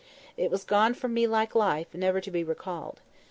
It was gone from me like life, never to be recalled.